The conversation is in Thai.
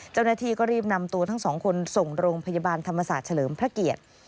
เจ้าหน้าที่ก็รีบนำตัวทั้งสองคนส่งโรงพยาบาลธรรมศาสตร์เฉลิมพระเกียรติ